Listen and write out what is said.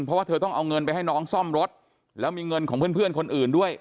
เพราะว่าเธอต้องเอาเงินไปให้น้องซ่อมรถแล้วมีเงินของเพื่อนคนอื่นด้วย